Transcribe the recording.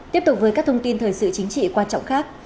tiếp tục với các thông tin thời sự chính trị quan trọng khác